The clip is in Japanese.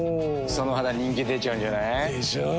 その肌人気出ちゃうんじゃない？でしょう。